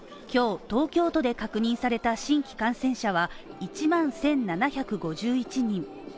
今日東京都で確認された新規感染者は１万１７５１人。